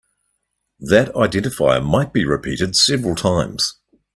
That identifier might be repeated several times.